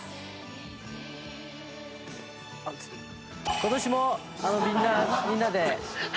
今年もみんなみんなで。